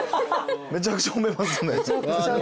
めちゃくちゃ褒めますね。